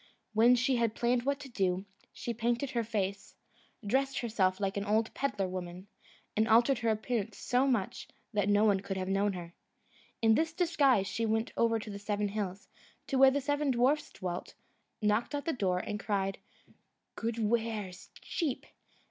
When she had planned what to do, she painted her face, dressed herself like an old pedlar woman, and altered her appearance so much, that no one could have known her. In this disguise she went over the seven hills, to where the seven dwarfs dwelt, knocked at the door, and cried, "Good wares, cheap!